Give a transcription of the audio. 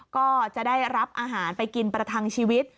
ก็จะได้รับอาหารไปกินประทังชีวิต